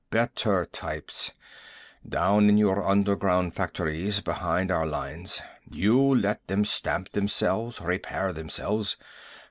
Better types. Down in your underground factories behind our lines. You let them stamp themselves, repair themselves.